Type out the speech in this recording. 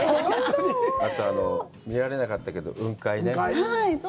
あと、見られなかったけど雲海ね。